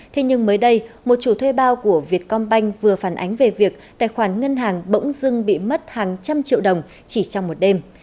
thế nhưng mới đây một chủ thuê bao của vietcombank vừa phản ánh về việc tài khoản ngân hàng bỗng dưng bị mất hàng trăm triệu đồng chỉ trong một đêm